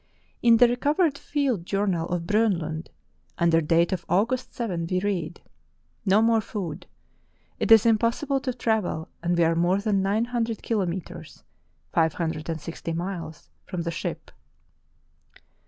In the recovered field journal of Bronlund, under date of August 7, we read: "No more food! It is im possible to travel and we are more than nine hundred kilometres [five hundred and sixty miles] from the ship."